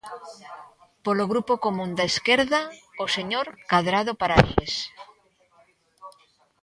Polo Grupo Común da Esquerda, o señor Cadrado Paraxes.